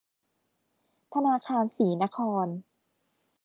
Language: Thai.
ธนาคารศรีนคร